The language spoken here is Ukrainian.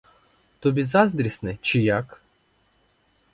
Тобі заздрісне, чи як?